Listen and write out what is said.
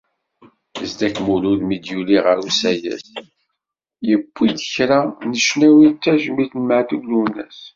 Zeddek Mulud mi d-yuli ɣer usayes, yewwi-d kra n ccnawi d tajmilt i Meɛtub Lwennas.